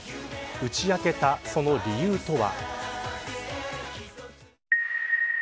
打ち明けたその理由とは。